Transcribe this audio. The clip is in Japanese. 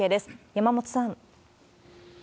山本さん。